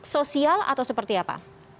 sosial atau seperti apa